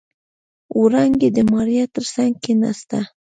وړانګې د ماريا تر څنګ کېناسته.